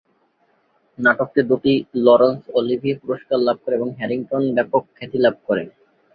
নাটকটি দুটি Laurence Olivier পুরস্কার লাভ করে এবং হ্যারিংটন ব্যাপক খ্যাতি লাভ করে।